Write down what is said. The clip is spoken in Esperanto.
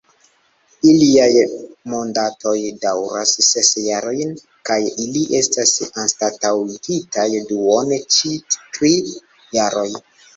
Iliaj mandatoj daŭras ses jarojn, kaj ili estas anstataŭigitaj duone ĉiu tri jaroj.